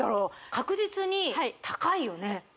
確実に高いよね？